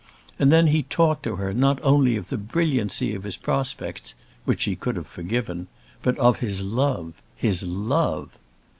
And then he talked to her not only of the brilliancy of his prospects, which she could have forgiven, but of his love his love!